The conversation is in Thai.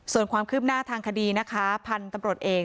ส่วนความคืบหน้าทางคดีนะคะพันธุ์ตำรวจเอก